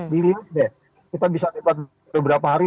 di indonesia kita bisa lewat beberapa hari